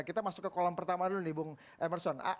kita masuk ke kolam pertama dulu nih bung emerson